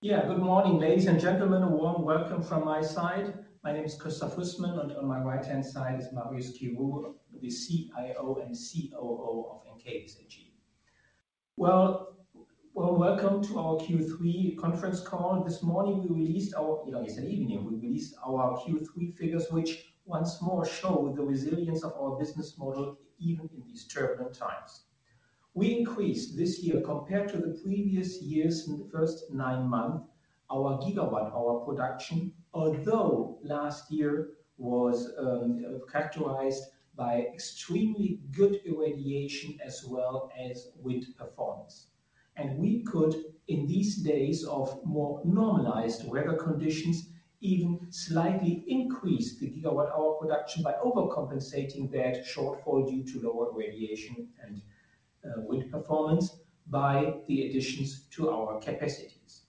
Yeah, good morning, ladies and gentlemen. A warm welcome from my side. My name is Christoph Husmann, and on my right-hand side is Mario Schirru, the CIO and COO of Encavis AG. Well, well, welcome to our Q3 conference call. This morning, we released our, you know, it's an evening. We released our Q3 figures, which once more show the resilience of our business model, even in these turbulent times. We increased this year, compared to the previous years in the first nine months, our gigawatt hour production, although last year was characterized by extremely good irradiation as well as wind performance. And we could, in these days of more normalized weather conditions, even slightly increase the gigawatt hour production by overcompensating that shortfall due to lower radiation and wind performance by the additions to our capacities.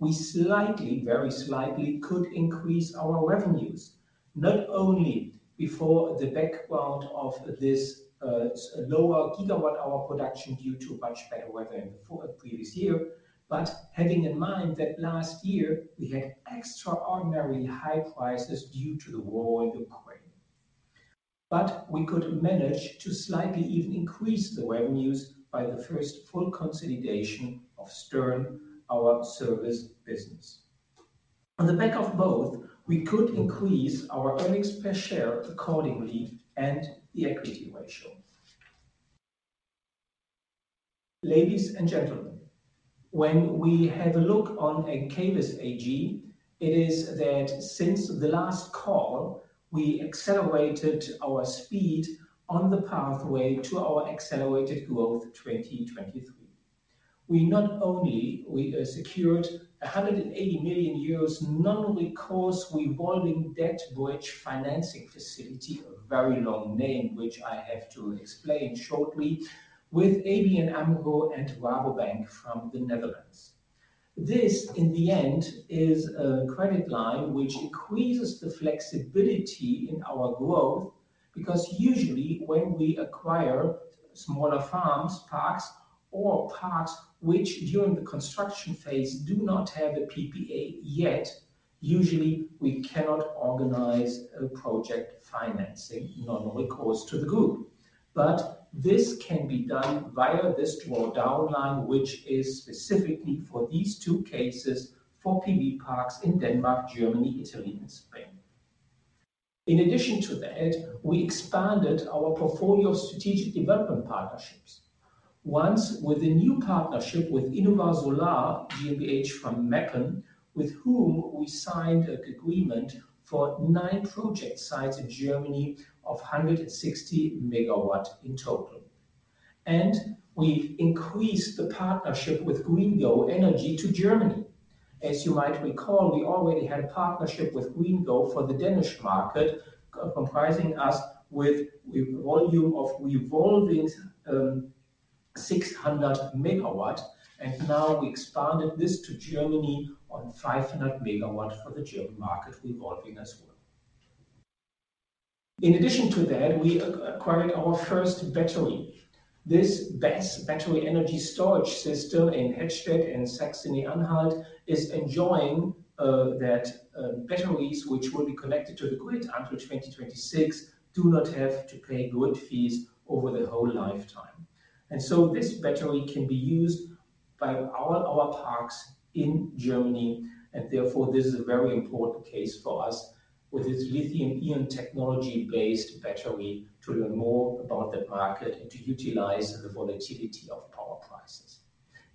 We slightly, very slightly, could increase our revenues, not only before the background of this lower gigawatt hour production due to much better weather in the previous year, but having in mind that last year we had extraordinary high prices due to the war in Ukraine. But we could manage to slightly even increase the revenues by the first full consolidation of Stern, our service business. On the back of both, we could increase our earnings per share accordingly and the equity ratio. Ladies and gentlemen, when we have a look on Encavis AG, it is that since the last call, we accelerated our speed on the pathway to our accelerated growth, 2023. We not only secured 180 million euros non-recourse revolving debt bridge financing facility, a very long name, which I have to explain shortly, with ABN AMRO and Rabobank from the Netherlands. This, in the end, is a credit line which increases the flexibility in our growth, because usually when we acquire smaller farms, parks or parks, which during the construction phase do not have a PPA yet, usually we cannot organize a project financing, non-recourse to the group. But this can be done via this draw down line, which is specifically for these two cases, for PV parks in Denmark, Germany, Italy, and Spain. In addition to that, we expanded our portfolio of strategic development partnerships. Once with a new partnership with Innova Solar GmbH from Meckenheim, with whom we signed an agreement for nine project sites in Germany of 160 MW in total. And we've increased the partnership with GreenGo Energy to Germany. As you might recall, we already had a partnership with GreenGo for the Danish market, comprising us with a volume of revolving 600 MW, and now we expanded this to Germany on 500 MW for the German market, revolving as well. In addition to that, we acquired our first battery. This BESS, battery energy storage system in Hettstedt, in Saxony-Anhalt, is enjoying that batteries which will be connected to the grid until 2026 do not have to pay grid fees over the whole lifetime. So this battery can be used by all our parks in Germany, and therefore, this is a very important case for us with its lithium-ion technology-based battery, to learn more about the market and to utilize the volatility of power prices.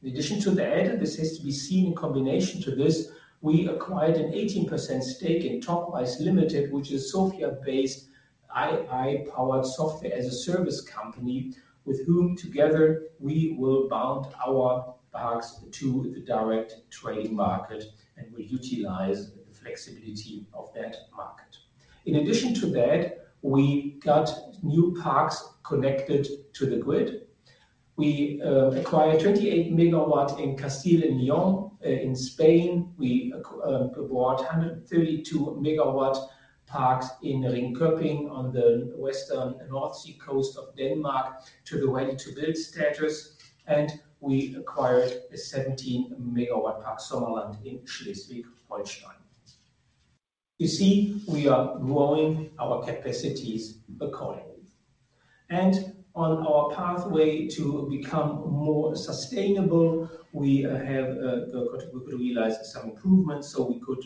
In addition to that, this has to be seen in combination to this, we acquired an 18% stake in TokWise Limited, which is Sofia-based AI-powered software-as-a-service company, with whom together we will bound our parks to the direct trading market, and we utilize the flexibility of that market. In addition to that, we got new parks connected to the grid. We acquired 28 MW in Castile and León in Spain. We bought 132 MW parks in Ringkøbing, on the western North Sea coast of Denmark, to the ready-to-build status, and we acquired a 17 MW park, Sommerland, in Schleswig-Holstein. You see, we are growing our capacities accordingly, and on our pathway to become more sustainable, we have we could realize some improvements, so we could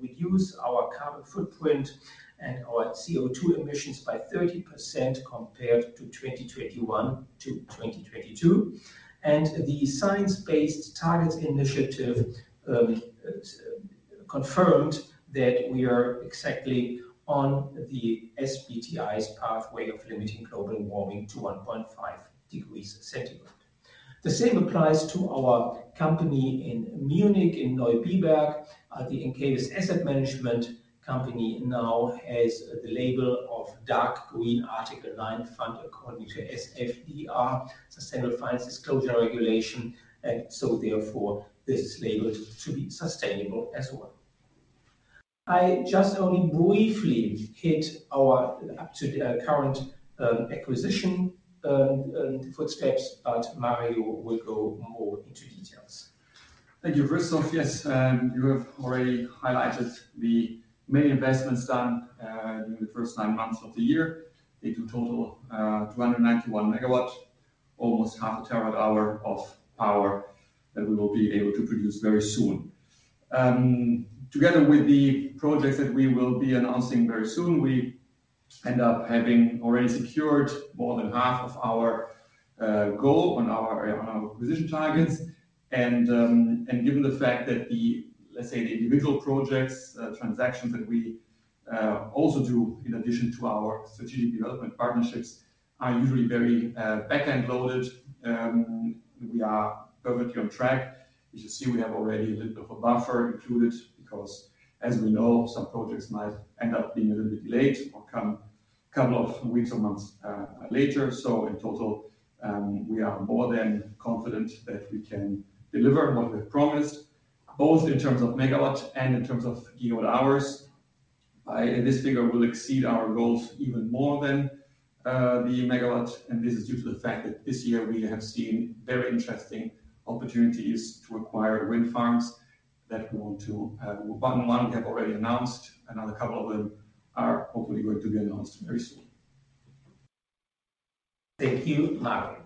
reduce our carbon footprint and our CO2 emissions by 30% compared to 2021 to 2022. The Science-Based Targets Initiative confirmed that we are exactly on the SBTi's pathway of limiting global warming to 1.5 degrees Celsius. The same applies to our company in Munich, in Neubiberg. The Encavis asset management company now has the label of Dark Green Article 9 fund, according to SFDR, Sustainable Finance Disclosure Regulation, and so therefore, this is labeled to be sustainable as well. I just only briefly hit our up to the current acquisition footsteps, but Mario will go more into details. Thank you, Christoph. Yes, you have already highlighted the many investments done during the first nine months of the year. They do total 291 MW, almost half a TWh of power that we will be able to produce very soon. Together with the projects that we will be announcing very soon, we end up having already secured more than half of our goal on our, on our acquisition targets. And, and given the fact that the, let's say, the individual projects transactions that we also do in addition to our strategic development partnerships, are usually very back-end loaded. We are perfectly on track. As you see, we have already a little bit of a buffer included, because as we know, some projects might end up being a little bit late or come couple of weeks or months, later. So in total, we are more than confident that we can deliver what we've promised, both in terms of megawatts and in terms of gigawatt hours. And this figure will exceed our goals even more than the megawatts, and this is due to the fact that this year we have seen very interesting opportunities to acquire wind farms that we want to... One we have already announced. Another couple of them are hopefully going to be announced very soon. Thank you, Mario.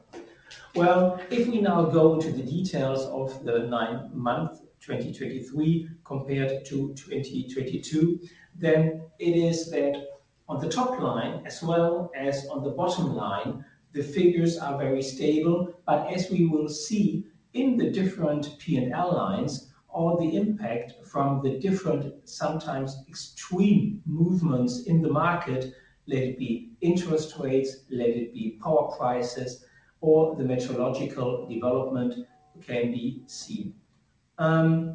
Well, if we now go into the details of the nine-month 2023 compared to 2022, then it is that on the top line, as well as on the bottom line, the figures are very stable. But as we will see in the different P&L lines, all the impact from the different, sometimes extreme movements in the market, let it be interest rates, let it be power prices, or the meteorological development can be seen.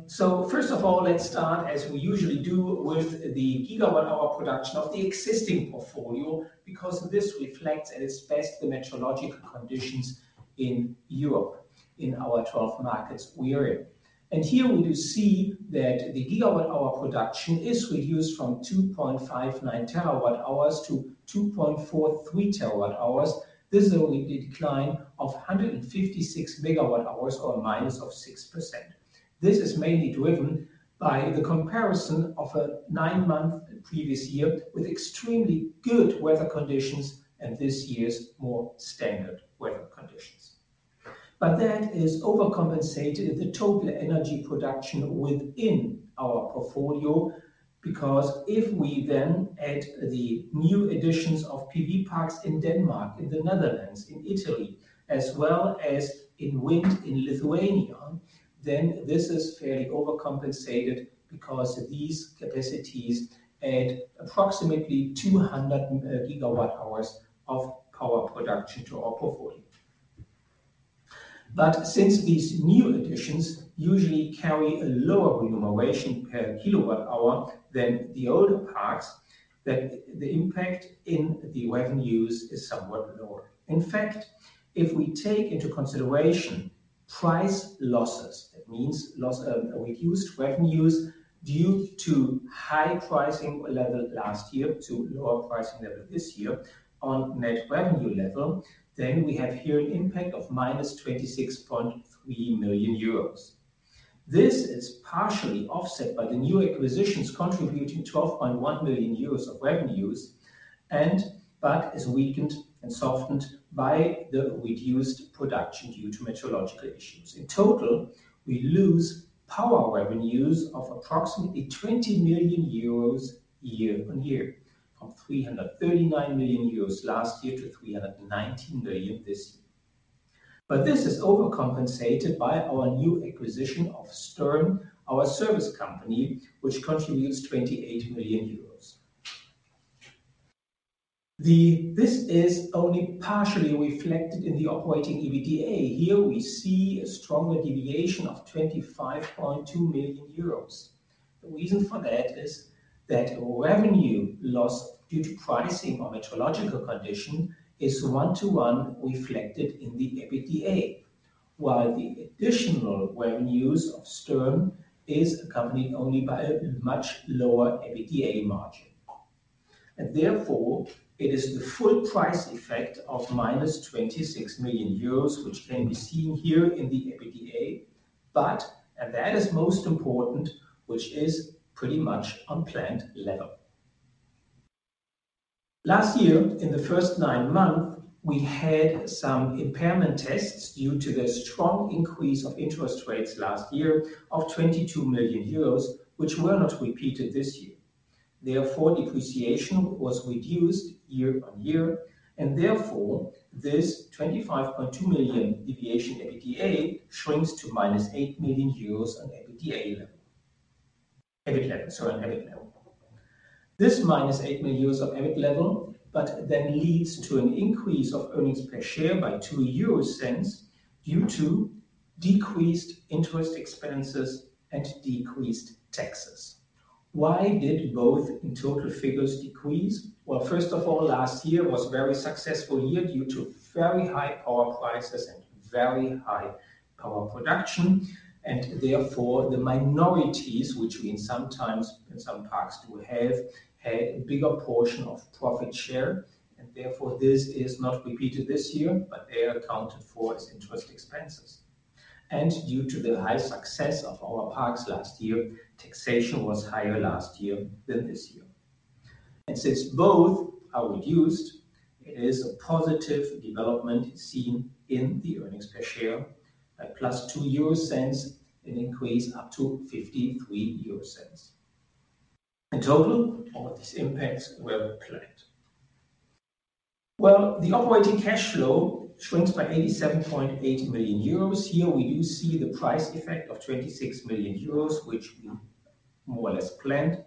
So first of all, let's start, as we usually do, with the gigawatt hour production of the existing portfolio, because this reflects at its best the meteorological conditions in Europe, in our 12 markets we are in. And here you will see that the gigawatt hour production is reduced from 2.59 TWh to 2.43 TWh. This is only a decline of 156 MWh or a minus of 6%. This is mainly driven by the comparison of a nine-month previous year, with extremely good weather conditions and this year's more standard weather conditions. But that is overcompensated in the total energy production within our portfolio, because if we then add the new additions of PV parks in Denmark, in the Netherlands, in Italy, as well as in wind in Lithuania, then this is fairly overcompensated because these capacities add approximately 200 GWh of power production to our portfolio. But since these new additions usually carry a lower remuneration per kWh than the older parks, then the impact in the revenues is somewhat lower. In fact, if we take into consideration price losses, that means loss, a reduced revenues due to high pricing level last year, to lower pricing level this year on net revenue level, then we have here an impact of -26.3 million euros. This is partially offset by the new acquisitions, contributing 12.1 million euros of revenues, and but is weakened and softened by the reduced production due to meteorological issues. In total, we lose power revenues of approximately 20 million euros year-on-year, from 339 million euros last year to 319 million this year. But this is overcompensated by our new acquisition of Stern, our service company, which contributes 28 million euros. This is only partially reflected in the operating EBITDA. Here we see a stronger deviation of 25.2 million euros. The reason for that is that revenue lost due to pricing or meteorological condition is one-to-one reflected in the EBITDA, while the additional revenues of Stern is accompanied only by a much lower EBITDA margin. And therefore, it is the full price effect of -26 million euros, which can be seen here in the EBITDA. But, and that is most important, which is pretty much on planned level. Last year, in the first 9 months, we had some impairment tests due to the strong increase of interest rates last year of 22 million euros, which were not repeated this year. Therefore, depreciation was reduced year-on-year, and therefore, this 25.2 million deviation EBITDA shrinks to -8 million euros on EBITDA level - EBIT level, sorry, on EBIT level. This minus 8 million euros of EBIT level, but then leads to an increase of earnings per share by 0.02 due to decreased interest expenses and decreased taxes. Why did both in total figures decrease? Well, first of all, last year was a very successful year due to very high power prices and very high power production. And therefore, the minorities, which we sometimes in some parks do have, had a bigger portion of profit share, and therefore this is not repeated this year, but they are accounted for as interest expenses. And due to the high success of our parks last year, taxation was higher last year than this year. And since both are reduced, it is a positive development seen in the earnings per share at plus 0.02, an increase up to 0.53. In total, all of these impacts were planned. Well, the operating cash flow shrinks by 87.8 million euros. Here we do see the price effect of 26 million euros, which we more or less planned.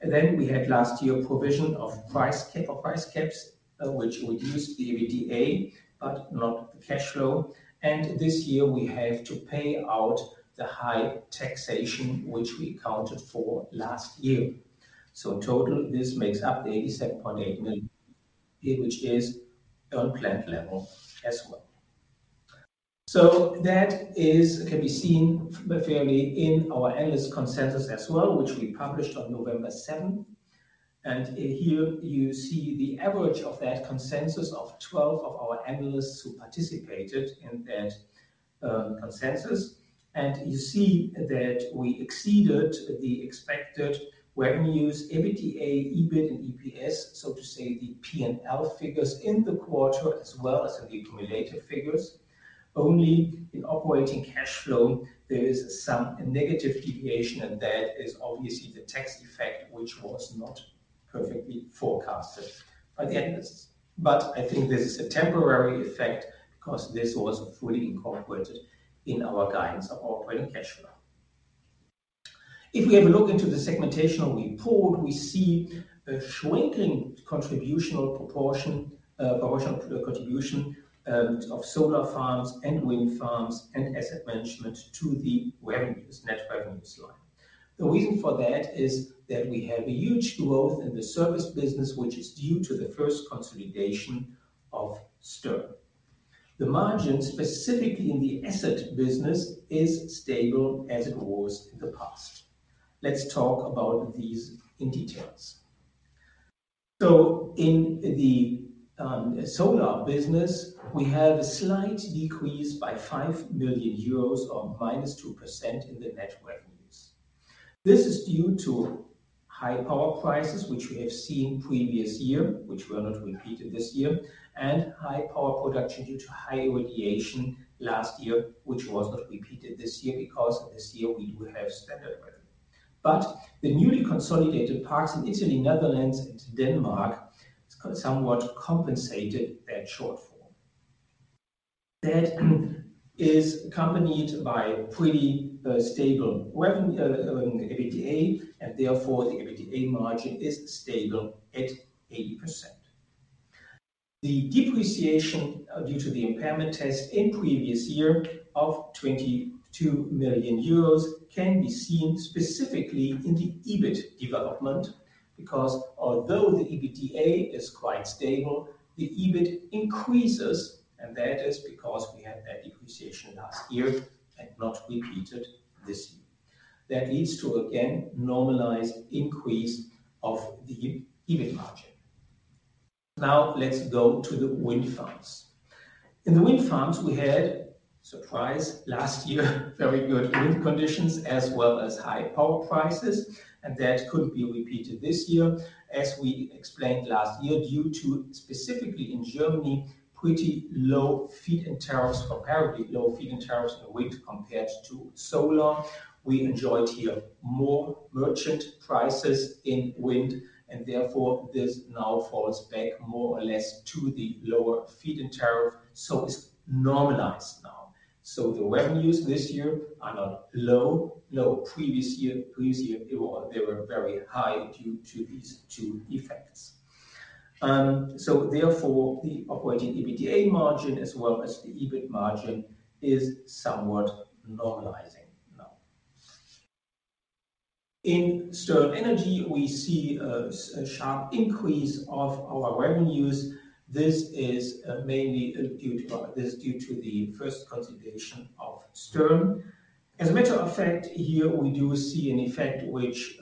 And then we had last year provision of price cap, of price caps, which reduced the EBITDA, but not the cash flow. And this year we have to pay out the high taxation, which we accounted for last year. So in total, this makes up the 87.8 million, which is on planned level as well. So that is, can be seen fairly in our analyst consensus as well, which we published on November seventh. And, here you see the average of that consensus of 12 of our analysts who participated in that, consensus. You see that we exceeded the expected revenues, EBITDA, EBIT and EPS, so to say, the P&L figures in the quarter, as well as the accumulated figures. Only in operating cash flow, there is some negative deviation, and that is obviously the tax effect, which was not perfectly forecasted by the analysts. But I think this is a temporary effect because this was fully incorporated in our guidance of operating cash flow. If we have a look into the segmentation report, we see a shrinking contributional proportion, proportional contribution, of solar farms and wind farms and asset management to the revenues, net revenues line. The margin, specifically in the asset business, is stable as it was in the past. Let's talk about these in detail. So in the solar business, we have a slight decrease by 5 million euros or -2% in the net revenues. This is due to high power prices, which we have seen previous year, which were not repeated this year, and high power production due to high irradiation last year, which was not repeated this year because this year we do have standard weather. But the newly consolidated parks in Italy, Netherlands and Denmark has somewhat compensated that shortfall. That is accompanied by pretty stable revenue, EBITDA, and therefore the EBITDA margin is stable at 80%. The depreciation due to the impairment test in previous year of 22 million euros can be seen specifically in the EBIT development, because although the EBITDA is quite stable, the EBIT increases, and that is because we had that depreciation last year and not repeated this year. That leads to, again, normalized increase of the EBIT margin. Now, let's go to the wind farms. In the wind farms, we had, surprise, last year, very good wind conditions as well as high power prices, and that couldn't be repeated this year. As we explained last year, due to specifically in Germany, pretty low feed-in tariffs, comparatively low feed-in tariffs in wind compared to solar. We enjoyed here more merchant prices in wind, and therefore this now falls back more or less to the lower feed-in tariff. So it's normalized now. So the revenues this year are not low, low previous year. Previous year, they were, they were very high due to these two effects. So therefore, the operating EBITDA margin, as well as the EBIT margin, is somewhat normalizing now. In Stern Energy, we see a sharp increase of our revenues. This is mainly due to the first consolidation of Stern. As a matter of fact, here we do see an effect which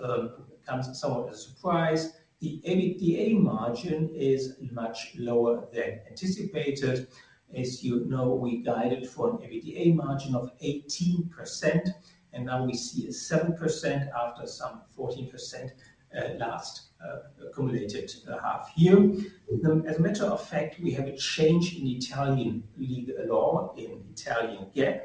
comes as somewhat as a surprise. The EBITDA margin is much lower than anticipated. As you know, we guided for an EBITDA margin of 18%, and now we see a 7% after some 14% last accumulated half year. As a matter of fact, we have a change in Italian lead law in Italian GAAP,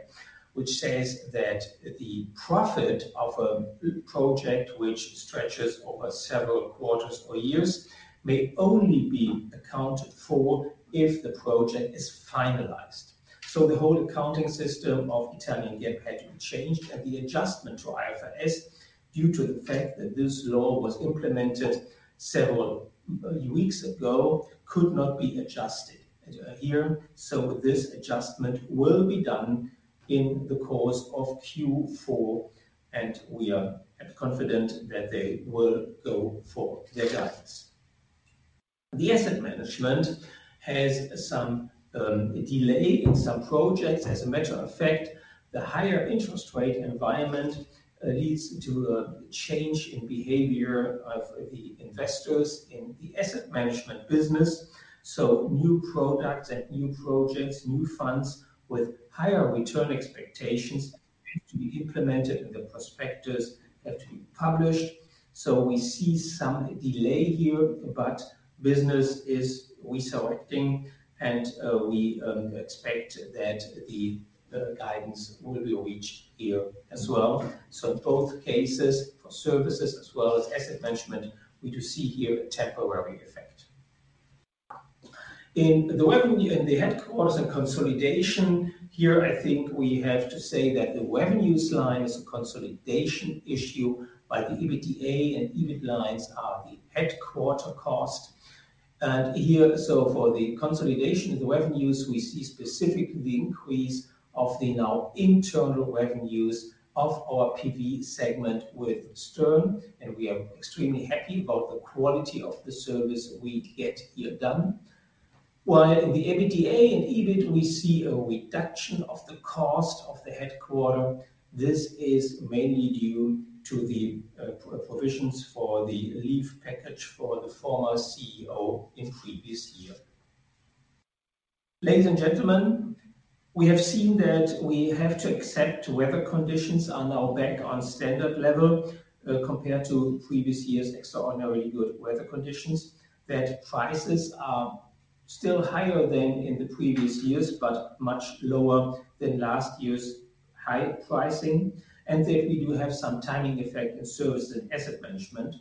which says that the profit of a project which stretches over several quarters or years, may only be accounted for if the project is finalized. So the whole accounting system of Italian GAAP had to be changed, and the adjustment to IFRS, due to the fact that this law was implemented several weeks ago, could not be adjusted here. So this adjustment will be done in the course of Q4, and we are confident that they will go for their guidance. The asset management has some delay in some projects. As a matter of fact, the higher interest rate environment leads to a change in behavior of the investors in the asset management business. So new products and new projects, new funds with higher return expectations have to be implemented, and the prospectus have to be published. So we see some delay here, but business is resurrecting, and we expect that the guidance will be reached here as well. So in both cases, for services as well as asset management, we do see here a temporary effect. In the revenue, in the headquarters and consolidation, here, I think we have to say that the revenues line is a consolidation issue, but the EBITDA and EBIT lines are the headquarter cost. And here, so for the consolidation of the revenues, we see specifically the increase of the now internal revenues of our PV segment with Stern, and we are extremely happy about the quality of the service we get here done. While in the EBITDA and EBIT, we see a reduction of the cost of the headquarters. This is mainly due to the provisions for the leave package for the former CEO in previous year. Ladies and gentlemen, we have seen that we have to accept weather conditions are now back on standard level compared to previous years' extraordinarily good weather conditions, that prices are still higher than in the previous years, but much lower than last year's high pricing, and that we do have some timing effect in service and asset management.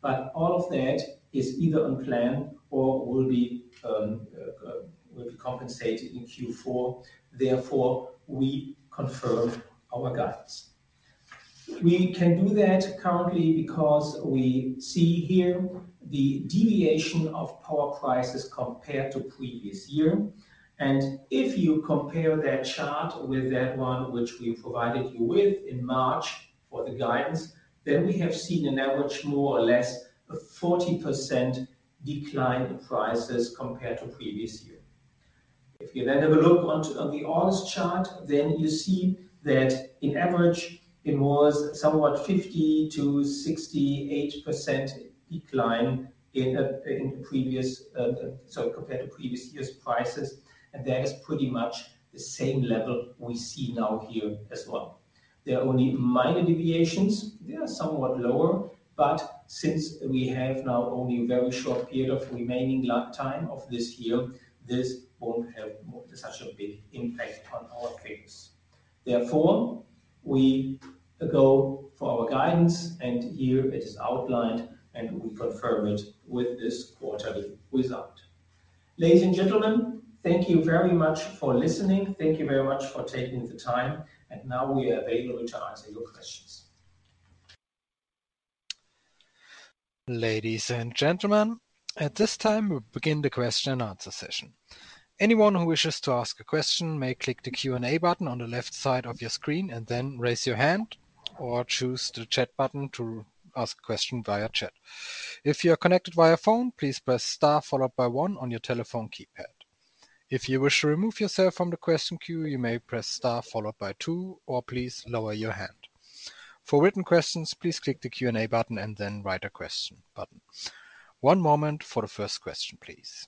But all of that is either on plan or will be compensated in Q4. Therefore, we confirm our guidance. We can do that currently because we see here the deviation of power prices compared to previous year. If you compare that chart with that one, which we provided you with in March for the guidance, then we have seen an average, more or less, a 40% decline in prices compared to previous year. If you then have a look on the August chart, then you see that in average, it was somewhat 50%-68% decline in the previous. So compared to previous year's prices, and that is pretty much the same level we see now here as well. There are only minor deviations. They are somewhat lower, but since we have now only a very short period of remaining lifetime of this year, this won't have such a big impact on our figures. Therefore, we go for our guidance, and here it is outlined, and we confirm it with this quarterly result. Ladies and gentlemen, thank you very much for listening. Thank you very much for taking the time, and now we are available to answer your questions. Ladies and gentlemen, at this time, we'll begin the question and answer session. Anyone who wishes to ask a question may click the Q&A button on the left side of your screen, and then raise your hand or choose the chat button to ask a question via chat. If you're connected via phone, please press star followed by one on your telephone keypad. If you wish to remove yourself from the question queue, you may press star followed by two, or please lower your hand. For written questions, please click the Q&A button and then write a question button. One moment for the first question, please.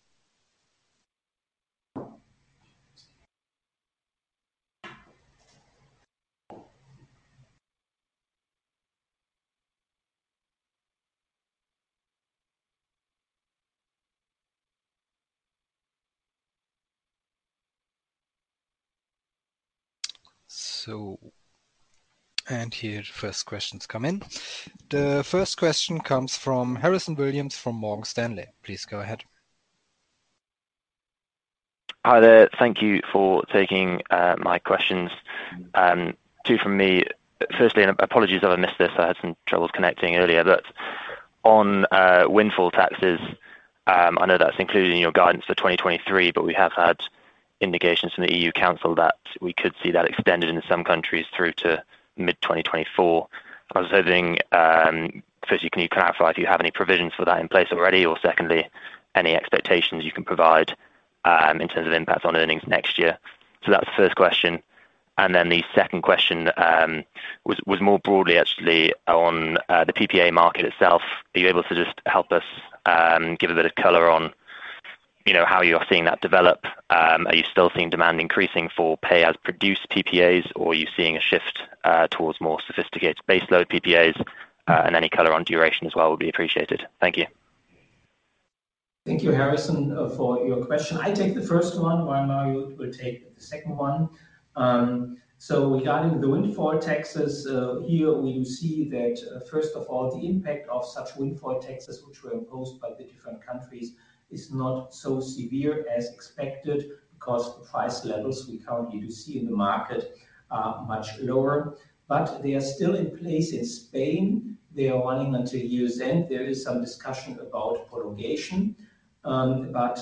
So... And here, the first question's come in. The first question comes from Harrison Williams from Morgan Stanley. Please go ahead. Hi there. Thank you for taking my questions. Two from me. Firstly, and apologies if I missed this, I had some troubles connecting earlier. But on windfall taxes, I know that's included in your guidance for 2023, but we have had indications from the EU Council that we could see that extended in some countries through to mid-2024. I was hoping, firstly, can you clarify if you have any provisions for that in place already? Or secondly, any expectations you can provide, in terms of impact on earnings next year. So that's the first question. And then the second question was more broadly actually on the PPA market itself. Are you able to just help us give a bit of color on, you know, how you are seeing that develop? Are you still seeing demand increasing for pay-as-produced PPAs, or are you seeing a shift towards more sophisticated base load PPAs? And any color on duration as well would be appreciated. Thank you. Thank you, Harrison, for your question. I take the first one, while Mario will take the second one. So regarding the windfall taxes, here we do see that, first of all, the impact of such windfall taxes, which were imposed by the different countries, is not so severe as expected because the price levels we currently do see in the market are much lower, but they are still in place in Spain. They are running until year's end. There is some discussion about prolongation, but,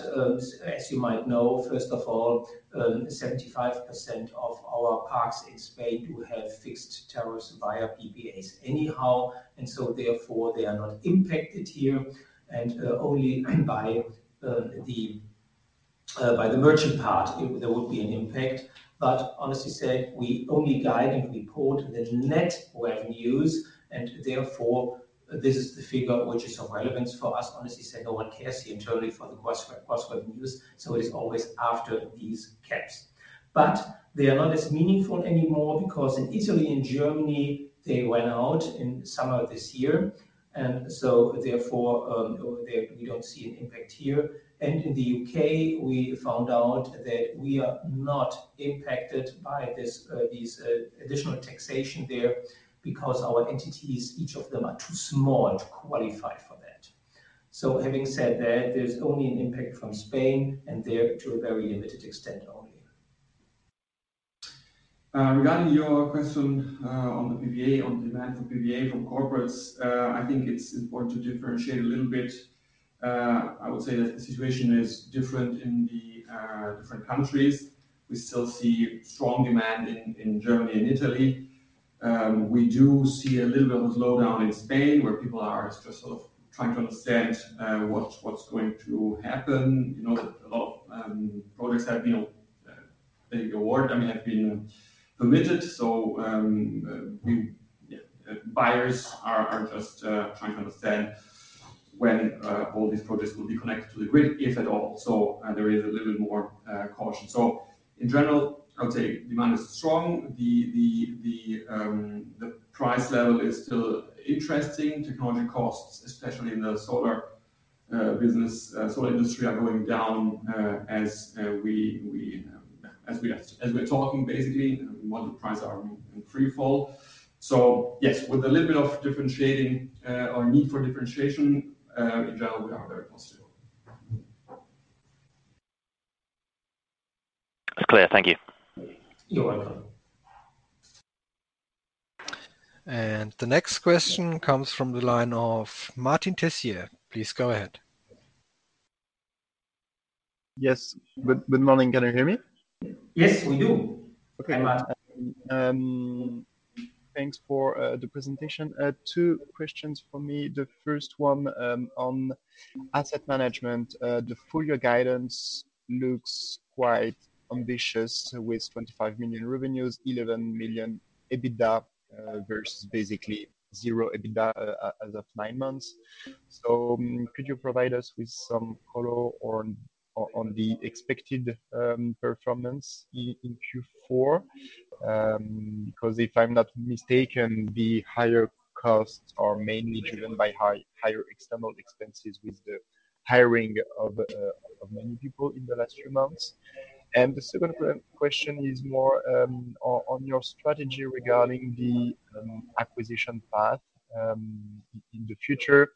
as you might know, first of all, 75% of our parks in Spain do have fixed tariffs via PPAs anyhow, and so therefore, they are not impacted here and, only by the merchant part, there will be an impact. But honestly said, we only guide and report the net revenues, and therefore, this is the figure which is of relevance for us. Honestly saying, no one cares internally for the gross, gross revenues, so it is always after these caps. But they are not as meaningful anymore because in Italy and Germany, they went out in summer of this year, and so therefore, we don't see an impact here. In the U.K., we found out that we are not impacted by these additional taxation there, because our entities, each of them, are too small to qualify for that. So having said that, there's only an impact from Spain, and there to a very limited extent only. Regarding your question, on the PPA, on demand for PPA from corporates, I think it's important to differentiate a little bit. I would say that the situation is different in the different countries. We still see strong demand in Germany and Italy. We do see a little bit of a slowdown in Spain, where people are just sort of trying to understand what's going to happen. You know, that a lot of projects have been, I mean, have been permitted. So, buyers are just trying to understand when all these projects will be connected to the grid, if at all. So there is a little bit more caution. So in general, I would say demand is strong. The price level is still interesting. Technology costs, especially in the solar business, solar industry, are going down, as we're talking, basically, model prices are in free fall. So yes, with a little bit of differentiating, or need for differentiation, in general, we are very positive. Clear. Thank you. You're welcome. The next question comes from the line of Martin Tessier. Please go ahead. Yes, good, good morning. Can you hear me? Yes, we do. Okay. Hi, Martin. Thanks for the presentation. Two questions for me. The first one on asset management. The full year guidance looks quite ambitious, with 25 million revenues, 11 million EBITDA, versus basically 0 EBITDA, as of nine months. So could you provide us with some color on the expected performance in Q4? Because if I'm not mistaken, the higher costs are mainly driven by higher external expenses with the hiring of many people in the last few months. And the second question is more on your strategy regarding the acquisition path in the future,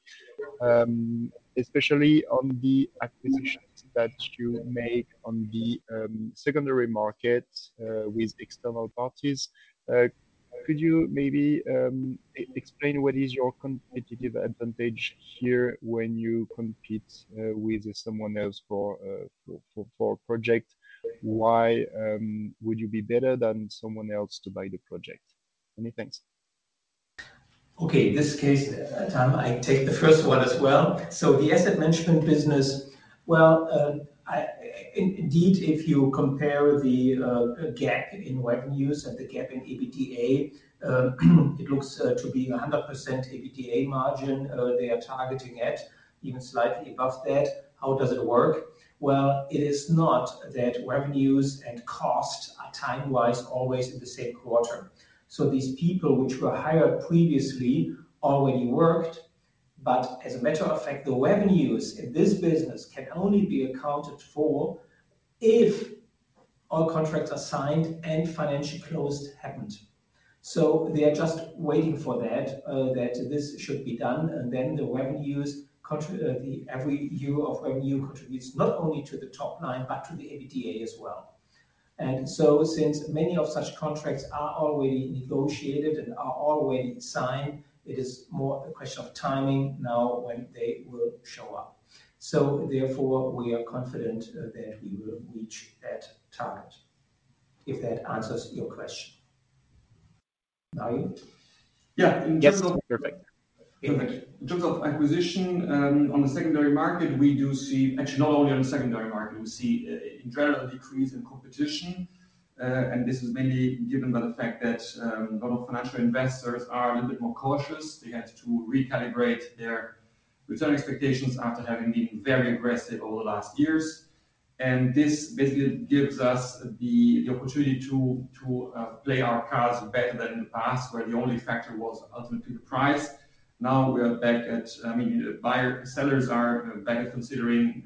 especially on the acquisitions that you make on the secondary market with external parties. Could you maybe explain what is your competitive advantage here when you compete with someone else for project? Why would you be better than someone else to buy the project? Many thanks. Okay, this case, Tom, I take the first one as well. So the asset management business, well, I... Indeed, if you compare the gap in revenues and the gap in EBITDA, it looks to be a 100% EBITDA margin they are targeting at, even slightly above that. How does it work? Well, it is not that revenues and costs are time-wise always in the same quarter. So these people, which were hired previously, already worked, but as a matter of fact, the revenues in this business can only be accounted for if all contracts are signed and financially closed, haven't. So they are just waiting for that, that this should be done, and then the revenues, the every year of revenue contributes not only to the top line, but to the EBITDA as well. So since many of such contracts are already negotiated and are already signed, it is more a question of timing now, when they will show up. So therefore, we are confident that we will reach that target, if that answers your question. Mario? Yeah, in terms of- Yes, perfect. In terms of acquisition, on the secondary market, we do see. Actually, not only on the secondary market, we see, in general, a decrease in competition, and this is mainly driven by the fact that, a lot of financial investors are a little bit more cautious. They had to recalibrate their return expectations after having been very aggressive over the last years. And this basically gives us the opportunity to play our cards better than in the past, where the only factor was ultimately the price. Now we are back at- I mean, the buyer- sellers are back considering,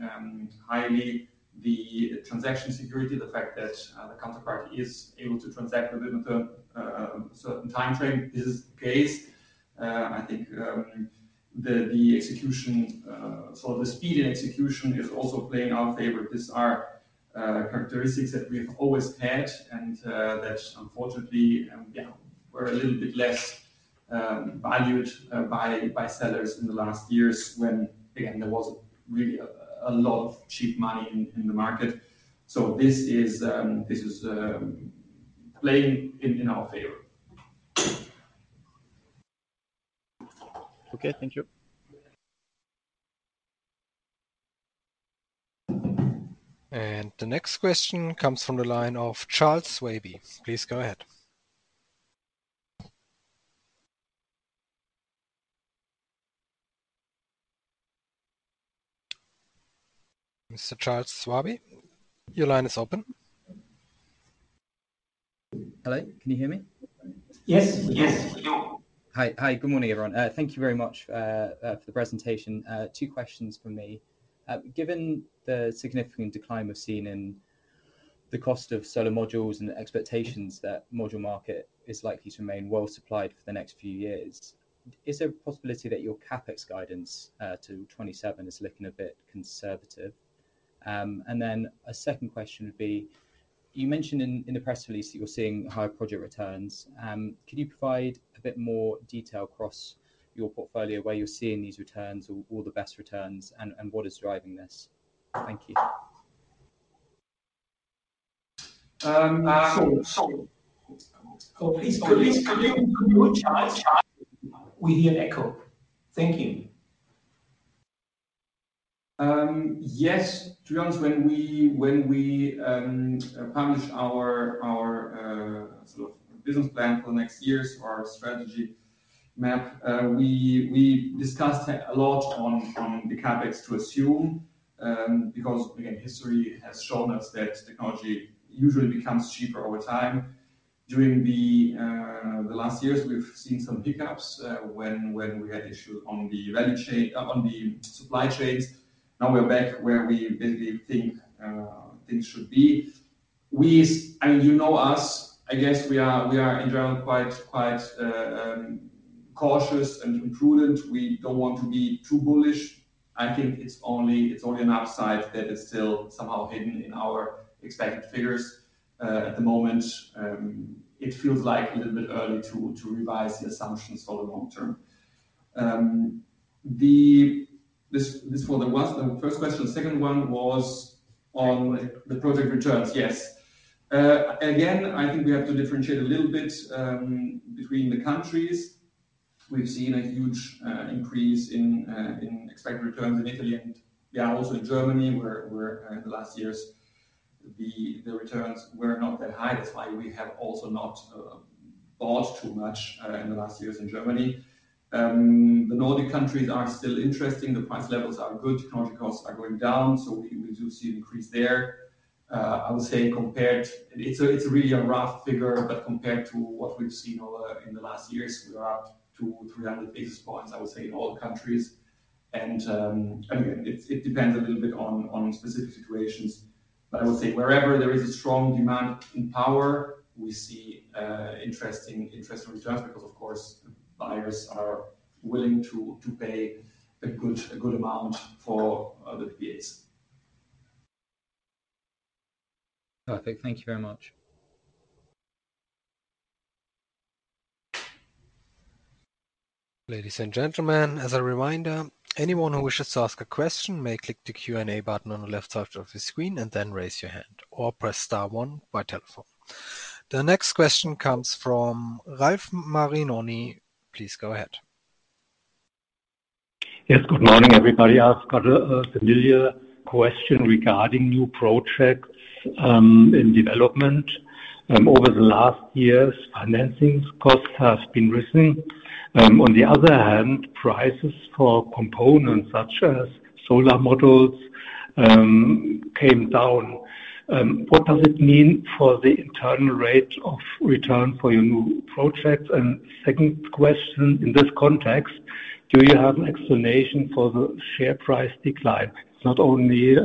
highly the transaction security, the fact that, the counterparty is able to transact with them, within a certain time frame is the case. I think, so the speed of execution is also playing our favor. These are characteristics that we've always had, and that unfortunately were a little bit less valued by sellers in the last years, when, again, there was really a lot of cheap money in the market. So this is playing in our favor. Okay, thank you. The next question comes from the line of Charles Swabey. Please go ahead. Mr. Charles Swabey, your line is open. Hello, can you hear me? Yes. Yes, we can. Hi. Hi, good morning, everyone. Thank you very much for the presentation. Two questions from me. Given the significant decline we've seen in the cost of solar modules and the expectations that module market is likely to remain well supplied for the next few years, is there a possibility that your CapEx guidance to 2027 is looking a bit conservative? And then a second question would be, you mentioned in the press release that you're seeing higher project returns. Could you provide a bit more detail across your portfolio, where you're seeing these returns, or all the best returns, and what is driving this? Thank you. Um, uh- Sorry. Sorry. Oh, please, could you, could you... Charles. We hear an echo. Thank you. Yes, to be honest, when we published our sort of business plan for next year, so our strategy map, we discussed a lot on the CapEx to assume, because, again, history has shown us that technology usually becomes cheaper over time. During the last years, we've seen some pick-ups, when we had issue on the value chain - on the supply chains. Now we're back where we basically think things should be. And you know us, I guess we are in general quite cautious and prudent. We don't want to be too bullish. I think it's only an upside that is still somehow hidden in our expected figures. At the moment, it feels like a little bit early to revise the assumptions for the long term. This for the first question. The second one was on the project returns. Yes. Again, I think we have to differentiate a little bit between the countries. We've seen a huge increase in expected returns in Italy, and, yeah, also in Germany, where in the last years, the returns were not that high. That's why we have also not bought too much in the last years in Germany. The Nordic countries are still interesting. The price levels are good, technology costs are going down, so we will do see an increase there. I would say compared... It's really a rough figure, but compared to what we've seen over in the last years, we are up to 300 basis points, I would say, in all countries. And again, it depends a little bit on specific situations. But I would say wherever there is a strong demand in power, we see interesting returns, because, of course, buyers are willing to pay a good amount for the PPAs. Perfect. Thank you very much. Ladies and gentlemen, as a reminder, anyone who wishes to ask a question may click the Q&A button on the left side of the screen and then raise your hand, or press star one by telephone. The next question comes from Ralf Marinoni. Please go ahead. Yes, good morning, everybody. I've got a familiar question regarding new projects in development. Over the last years, financing cost has been rising. On the other hand, prices for components such as solar modules came down. What does it mean for the internal rate of return for your new projects? And second question in this context, do you have an explanation for the share price decline, not only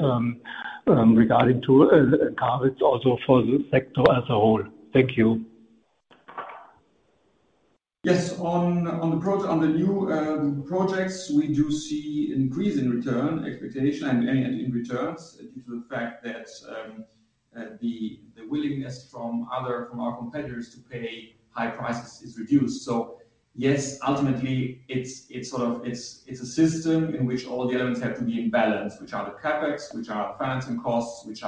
regarding to Encavis, also for the sector as a whole? Thank you. Yes. On the new projects, we do see increase in return expectation and in returns due to the fact that the willingness from our competitors to pay high prices is reduced. So yes, ultimately, it's sort of a system in which all the elements have to be in balance, which are the CapEx, which are financing costs, which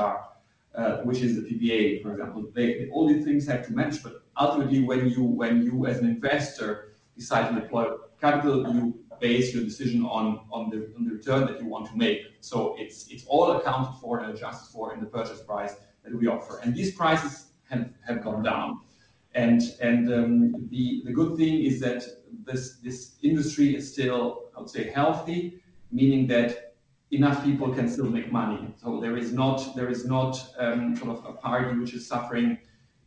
is the PPA, for example. All these things have to match, but ultimately, when you, as an investor, decide to deploy capital, you base your decision on the return that you want to make. So it's all accounted for and adjusted for in the purchase price that we offer, and these prices have gone down. The good thing is that this industry is still, I would say, healthy, meaning that enough people can still make money. So there is not sort of a party which is suffering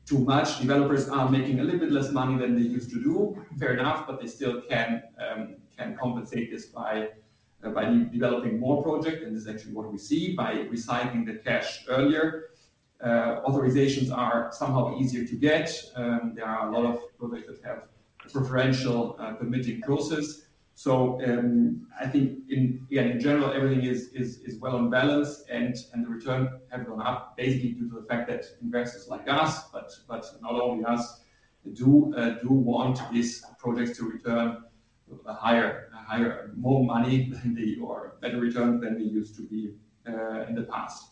too much. Developers are making a little bit less money than they used to do, fair enough, but they still can compensate this by de-developing more project, and this is actually what we see, by recycling the cash earlier. Authorizations are somehow easier to get, there are a lot of projects that have preferential permitting process. So, I think in, yeah, in general, everything is well on balance, and the return have gone up, basically due to the fact that investors like us, but not only us, do want these projects to return a higher - more money than they or better return than they used to be, in the past.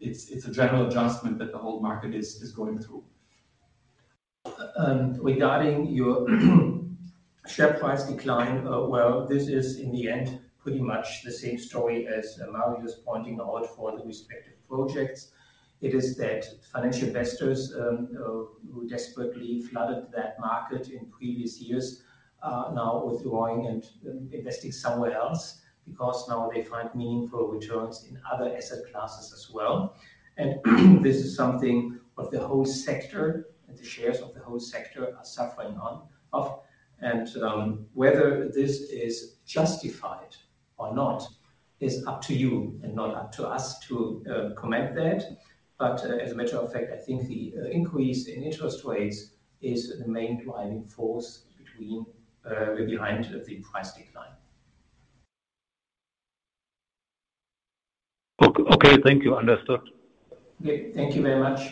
It's a general adjustment that the whole market is going through.... regarding your share price decline, well, this is in the end, pretty much the same story as Mario was pointing out for the respective projects. It is that financial investors, who desperately flooded that market in previous years, now withdrawing and investing somewhere else, because now they find meaningful returns in other asset classes as well. And this is something of the whole sector, and the shares of the whole sector are suffering on, of. And, whether this is justified or not is up to you and not up to us to, comment that. But, as a matter of fact, I think the, increase in interest rates is the main driving force behind the price decline. Okay, okay. Thank you. Understood. Okay. Thank you very much.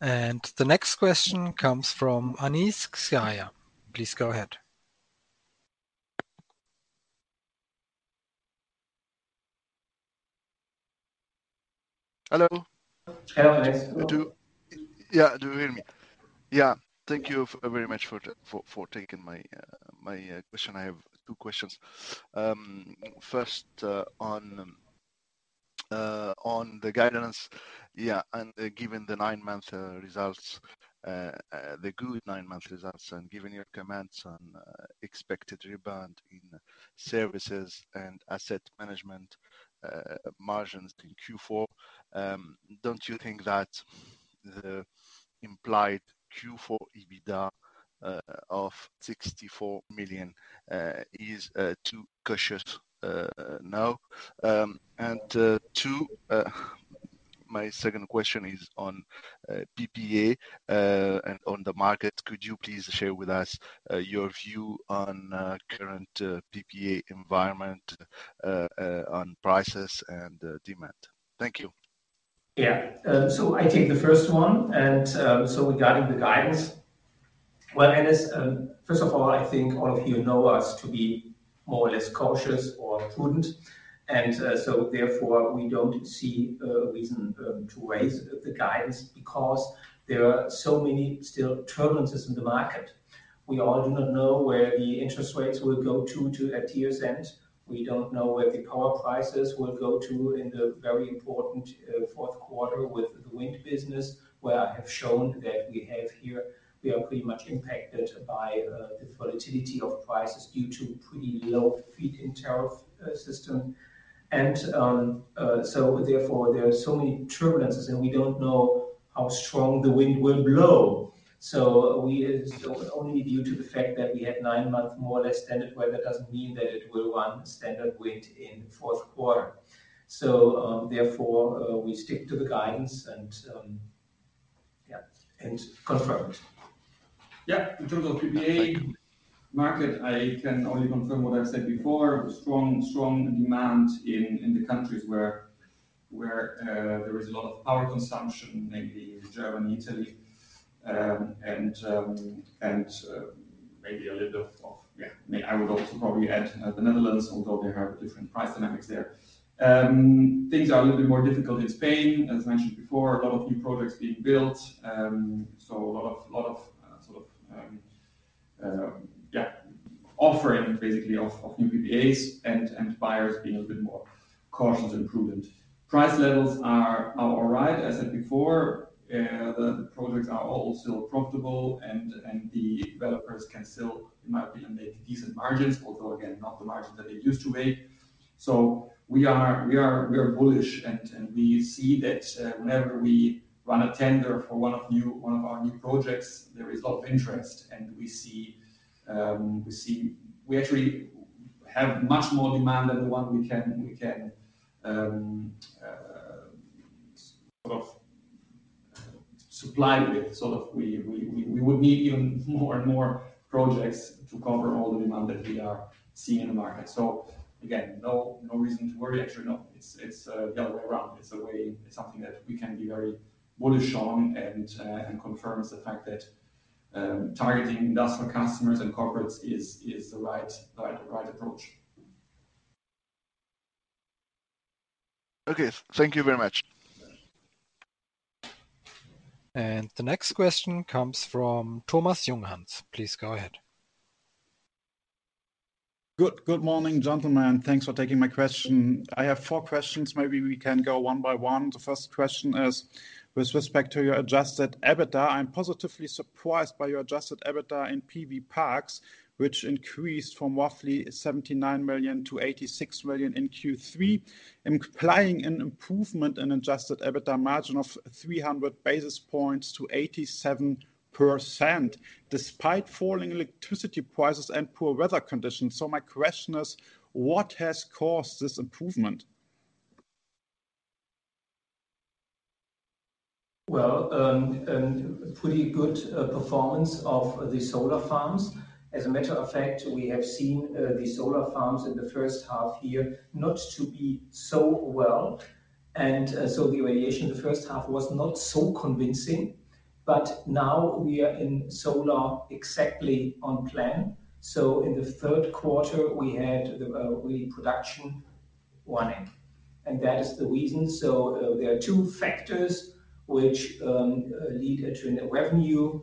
The next question comes from Anis Zgaya. Please go ahead. Hello? Hello, Anis. Yeah, do you hear me? Yeah. Thank you very much for taking my question. I have two questions. First, on the guidance. Yeah, and given the nine-month results, the good nine-month results, and given your comments on expected rebound in services and asset management margins in Q4, don't you think that the implied Q4 EBITDA of 64 million is too cautious now? And two, my second question is on PPA and on the market. Could you please share with us your view on current PPA environment on prices and demand? Thank you. Yeah. So I take the first one, and so regarding the guidance. Well, Anis, first of all, I think all of you know us to be more or less cautious or prudent, and so therefore, we don't see a reason to raise the guidance because there are so many still turbulences in the market. We all do not know where the interest rates will go to at year's end. We don't know where the power prices will go to in the very important fourth quarter with the wind business, where I have shown that we have here, we are pretty much impacted by the volatility of prices due to pretty low feed-in tariff system. And so therefore, there are so many turbulences, and we don't know how strong the wind will blow. So we only due to the fact that we had nine-month, more or less standard weather, doesn't mean that it will run standard wind in fourth quarter. So, therefore, we stick to the guidance and, yeah, and confirmed. Yeah, in terms of PPA market, I can only confirm what I've said before. Strong, strong demand in the countries where there is a lot of power consumption, maybe Germany, Italy, and maybe a little of. Yeah, I would also probably add the Netherlands, although they have different price dynamics there. Things are a little bit more difficult in Spain. As mentioned before, a lot of new projects being built, so a lot of offering basically of new PPAs and buyers being a bit more cautious and prudent. Price levels are all right. As I said before, the projects are all still profitable, and the developers can still, in my opinion, make decent margins, although again, not the margins that they used to make. So we are bullish and we see that whenever we run a tender for one of our new projects, there is a lot of interest, and we see. We actually have much more demand than the one we can sort of supply with. Sort of, we would need even more and more projects to cover all the demand that we are seeing in the market. So again, no reason to worry. Actually, no, it's the other way around. It's something that we can be very bullish on and confirms the fact that targeting industrial customers and corporates is the right approach. Okay. Thank you very much. The next question comes from Thomas Junghanns. Please go ahead. Good, good morning, gentlemen. Thanks for taking my question. I have four questions. Maybe we can go one by one. The first question is, with respect to your adjusted EBITDA, I'm positively surprised by your adjusted EBITDA in PV parks, which increased from roughly 79 million to 86 million in Q3, implying an improvement in adjusted EBITDA margin of 300 basis points to 87%, despite falling electricity prices and poor weather conditions. So my question is, what has caused this improvement? Well, pretty good performance of the solar farms. As a matter of fact, we have seen the solar farms in the first half year not to be so well. So the radiation in the first half was not so convincing, but now we are in solar, exactly on plan. So in the third quarter, we had the production running, and that is the reason. So there are two factors which lead to a revenue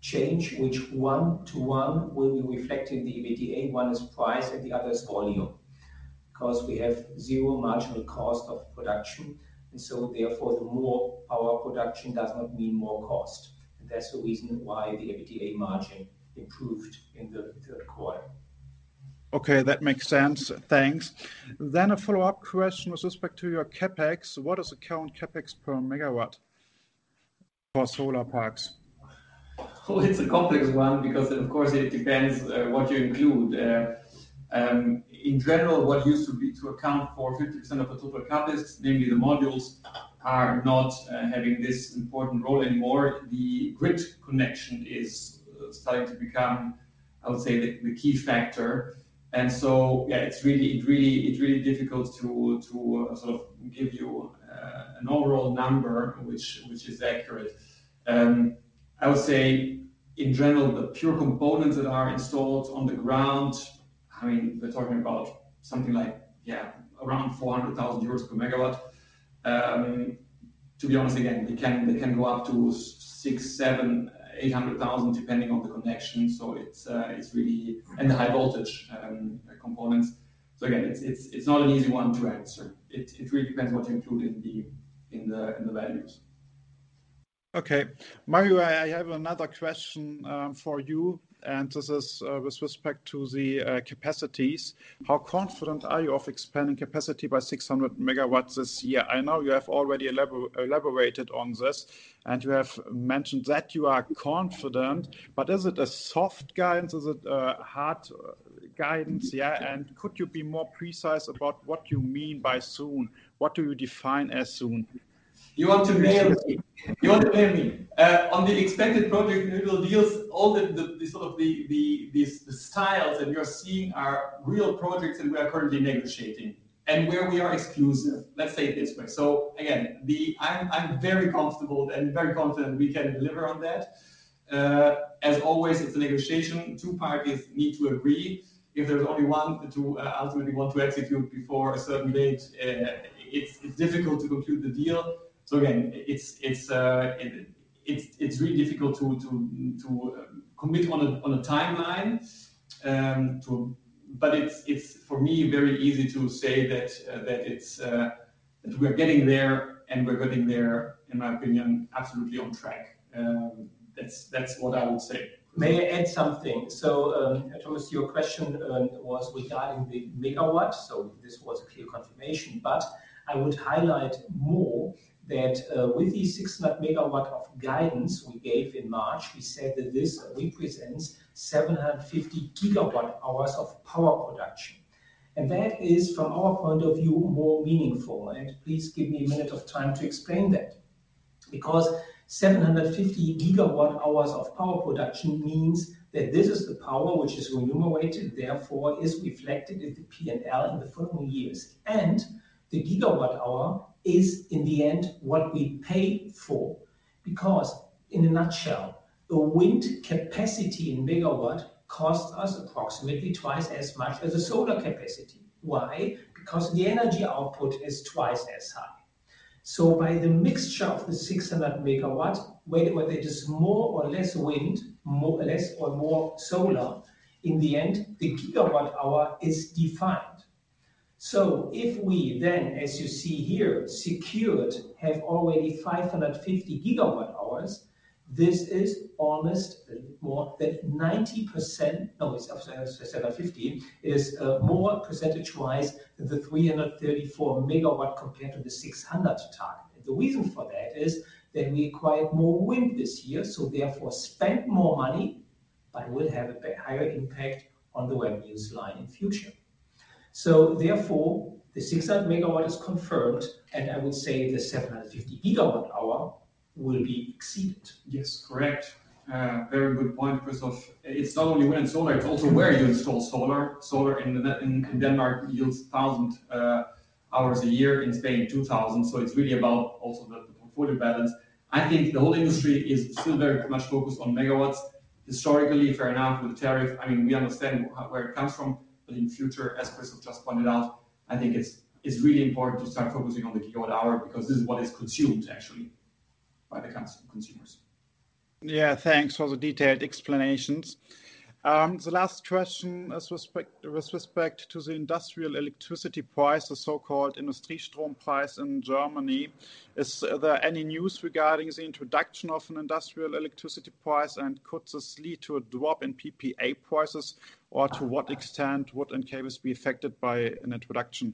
change, which one to one will be reflected in the EBITDA. One is price and the other is volume. Because we have zero marginal cost of production, and so therefore, the more our production does not mean more cost, and that's the reason why the EBITDA margin improved in the third quarter. Okay, that makes sense. Thanks. Then a follow-up question with respect to your CapEx. What is the current CapEx per megawatt for solar parks? Well, it's a complex one because, of course, it depends what you include. In general, what used to be to account for 50% of the total CapEx, namely the modules, are not having this important role anymore. The grid connection is starting to become, I would say, the key factor. And so, yeah, it's really difficult to sort of give you an overall number which is accurate. I would say, in general, the pure components that are installed on the ground, I mean, we're talking about something like, yeah, around 400,000 euros per MW. To be honest, again, they can go up to 600,000, 700,000, 800,000, depending on the connection. So it's really... And the high voltage components. So again, it's not an easy one to answer. It really depends what you include in the values. Okay. Mario, I have another question for you, and this is with respect to the capacities. How confident are you of expanding capacity by 600 MW this year? I know you have already elaborated on this, and you have mentioned that you are confident, but is it a soft guidance or is it a hard guidance, yeah? And could you be more precise about what you mean by soon? What do you define as soon? You want to nail me. You want to nail me. On the expected project level deals, all the sort of styles that you're seeing are real projects that we are currently negotiating and where we are exclusive. Let's say it this way. So again, I'm very comfortable and very confident we can deliver on that. As always, it's a negotiation. Two parties need to agree. If there's only one to ultimately want to execute before a certain date, it's difficult to conclude the deal. So again, it's really difficult to commit on a timeline to. But it's for me very easy to say that it's that we're getting there, and we're getting there, in my opinion, absolutely on track. That's what I would say. May I add something? So, Thomas, your question was regarding the megawatts, so this was a clear confirmation. But I would highlight more that, with the 6 MW of guidance we gave in March, we said that this represents 750 GWh of power production, and that is, from our point of view, more meaningful. And please give me a minute of time to explain that. Because 750 GWh of power production means that this is the power which is remunerated, therefore, is reflected in the P&L in the following years. And the gigawatt hour is, in the end, what we pay for. Because in a nutshell, the wind capacity in MW costs us approximately twice as much as a solar capacity. Why? Because the energy output is twice as high. So by the mixture of the 600 MW, whether, whether it is more or less wind, more or less or more solar, in the end, the GWh is defined. So if we then, as you see here, secured, have already 550 GWh, this is almost more than 90%... Oh, it's up to 750, is, more percentage-wise than the 334 MW compared to the 600 target. The reason for that is that we acquired more wind this year, so therefore spent more money, but will have a higher impact on the revenues line in future. So therefore, the 600 MW is confirmed, and I would say the 750 GWh will be exceeded. Yes, correct. Very good point, Christoph. It's not only wind and solar, it's also where you install solar. Solar in the... In Denmark yields 1,000 hours a year, in Spain, 2,000. So it's really about also the portfolio balance. I think the whole industry is still very much focused on megawatts. Historically, fair enough, with the tariff, I mean, we understand where it comes from, but in future, as Christoph just pointed out, I think it's really important to start focusing on the gigawatt hour, because this is what is consumed actually by the consumers. Yeah, thanks for the detailed explanations. The last question, with respect to the industrial electricity price, the so-called Industriestrompreis in Germany, is there any news regarding the introduction of an industrial electricity price, and could this lead to a drop in PPA prices? Or to what extent would Encavis be affected by an introduction?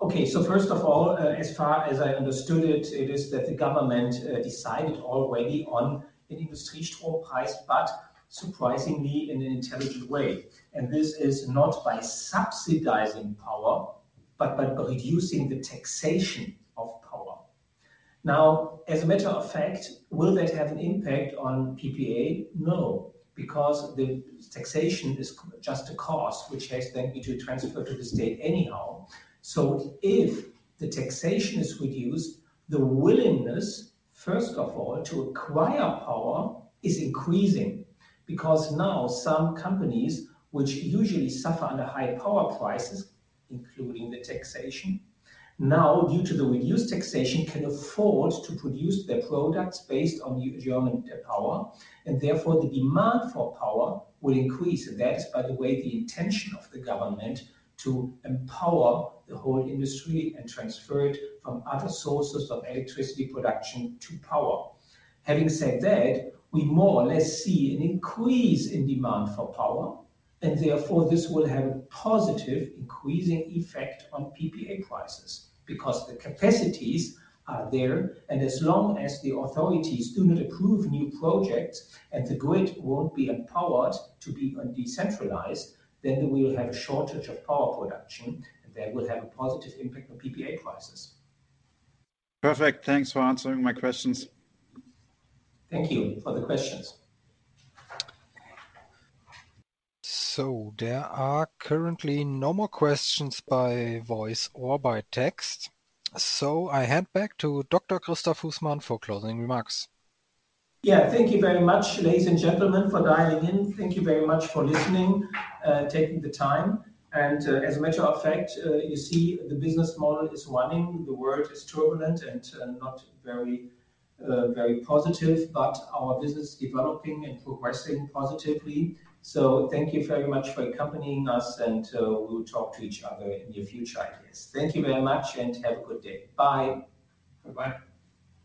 Okay. So first of all, as far as I understood it, it is that the government decided already on an Industriestrom Price, but surprisingly, in an intelligent way. And this is not by subsidizing power, but by reducing the taxation of power. Now, as a matter of fact, will that have an impact on PPA? No, because the taxation is just a cost, which has then need to transfer to the state anyhow. So if the taxation is reduced, the willingness, first of all, to acquire power is increasing, because now some companies, which usually suffer under high power prices, including the taxation, now, due to the reduced taxation, can afford to produce their products based on the German power, and therefore, the demand for power will increase. And that is, by the way, the intention of the government to empower the whole industry and transfer it from other sources of electricity production to power. Having said that, we more or less see an increase in demand for power, and therefore, this will have a positive increasing effect on PPA prices, because the capacities are there, and as long as the authorities do not approve new projects and the grid won't be empowered to be decentralized, then we will have a shortage of power production, and that will have a positive impact on PPA prices. Perfect. Thanks for answering my questions. Thank you for the questions. There are currently no more questions by voice or by text, so I hand back to Dr. Christoph Husmann for closing remarks. Yeah. Thank you very much, ladies and gentlemen, for dialing in. Thank you very much for listening, taking the time. As a matter of fact, you see the business model is running, the world is turbulent and not very positive, but our business is developing and progressing positively. So thank you very much for accompanying us, and we'll talk to each other in the future, I guess. Thank you very much, and have a good day. Bye. Bye-bye.